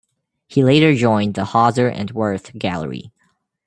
He later joined the Hauser and Wirth gallery.